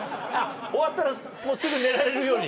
終わったらもうすぐ寝られるように？